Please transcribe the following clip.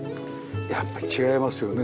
やっぱり違いますよね。